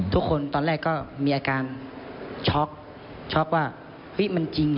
ทุกคนตอนแรกก็มีอาการช็อกช็อกว่ามันจริงเหรอ